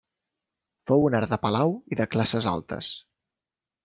Fou un art de palau i de classes altes.